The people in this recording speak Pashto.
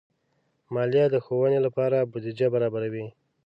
مالیه د ښوونې لپاره بودیجه برابروي.